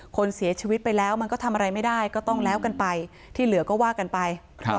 คนเสียชีวิตไปแล้วมันก็ทำอะไรไม่ได้ก็ต้องแล้วกันไปที่เหลือก็ว่ากันไป